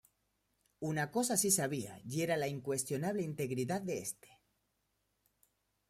Una cosa si sabía, y era la incuestionable integridad de este.